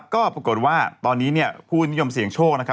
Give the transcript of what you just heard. ก็ปรากฏว่าตอนนี้ผู้นิยมเสี่ยงโชค